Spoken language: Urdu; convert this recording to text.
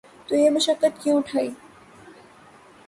تو یہ مشقت کیوں اٹھائی؟